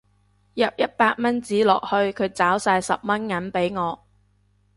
入一百蚊紙落去佢找晒十蚊銀俾我